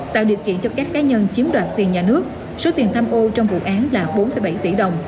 tạo điều kiện cho các cá nhân chiếm đoạt tiền nhà nước số tiền tham ô trong vụ án là bốn bảy tỷ đồng